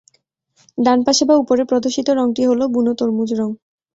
ডানপাশে বা উপরে প্রদর্শিত রঙটি হলো বুনো তরমুজ রঙ।